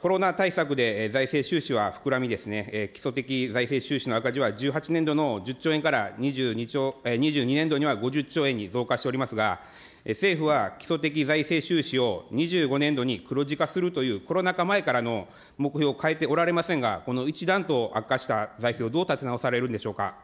コロナ対策で財政収支は膨らみ、基礎的財政収支の赤字は１８年度の１０兆円から、２２年度には５０兆円に増加しておりますが、政府は基礎的財政収支を２５年度に黒字化するという、コロナ禍前からの目標を変えておられませんが、この一段と悪化した財政をどう立て直されるんでしょうか。